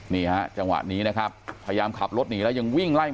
นี่ฮะจังหวะนี้นะครับพยายามขับรถหนีแล้วยังวิ่งไล่